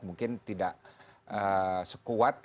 mungkin tidak sekuat